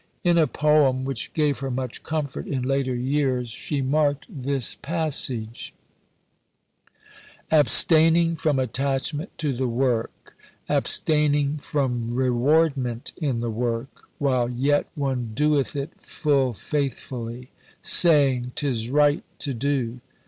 In a poem which gave her much comfort in later years she marked this passage: Abstaining from attachment to the work, Abstaining from rewardment in the work, While yet one doeth it full faithfully, Saying, "'Tis right to do!"